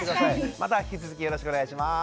また引き続きよろしくお願いします。